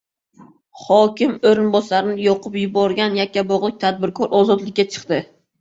Hokim o‘rinbosarini yoqib yuborgan yakkabog‘lik tadbirkor ozodlikka chiqdi